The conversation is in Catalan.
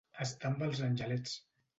Estar amb els angelets.